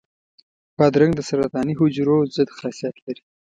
بادرنګ د سرطاني حجرو ضد خاصیت لري.